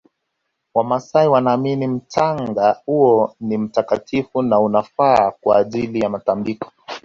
wamasai wanaamini mchanga huo ni mtakatifu na unafaa kwa ajili ya matabiko